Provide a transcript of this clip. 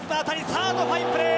サード、ファインプレー。